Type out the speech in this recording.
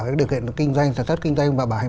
cái điều kiện kinh doanh sản xuất kinh doanh và bảo hành